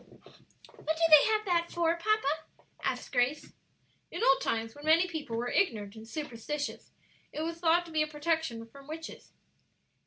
"What do they have that for, papa?" asked Grace. "In old times when many people were ignorant and superstitious, it was thought to be a protection from witches."